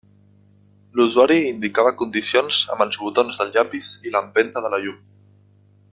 L'usuari indicava condicions amb els botons del llapis i l'empenta de la llum.